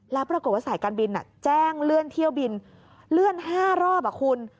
แล้วปรากฏว่าสายการบินแจ้งเลื่อนเที่ยวบินเลื่อน๕รอบคุณ